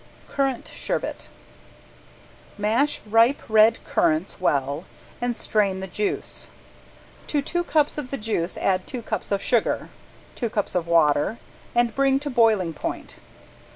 ~CURRANT SHERBET~ Mash ripe red currants well and strain the juice. To two cups of the juice add two cups of sugar, two cups of water, and bring to boiling point.